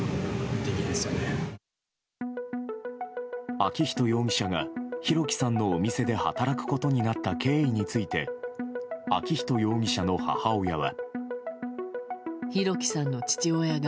昭仁容疑者が、弘輝さんのお店で働くことになった経緯について昭仁容疑者の母親は。